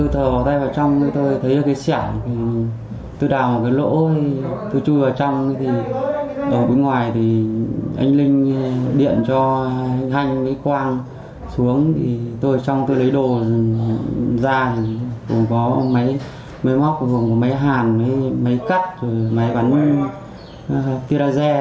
thuộc tổ bảy phường yên thịnh tp yên bái